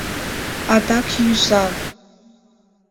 Адак йӱза!